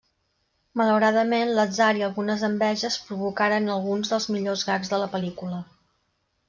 Malauradament, l'atzar i algunes enveges provocaran alguns dels millors gags de la pel·lícula.